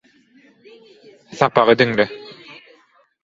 Sapagy diňle